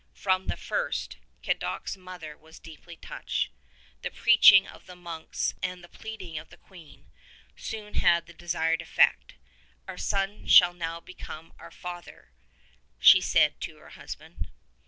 From the first, Cadoc's mother was deeply touched. The preaching of the monks and the 124 pleading of the Queen soon had the desired effect. ''Our son shall now become our father," she said to her husband.